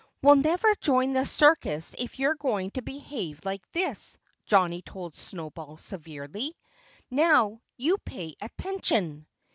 "We'll never join the circus if you're going to behave like this," Johnnie told Snowball severely. "Now, you pay attention!"